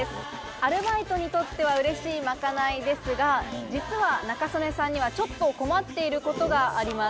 アルバイトにとってはうれしいまかないですが実は中曽根さんにはちょっと困っていることがあります。